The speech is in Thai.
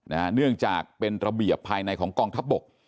เนื่องจากเป็นระเบียบภายในของกองทัพบก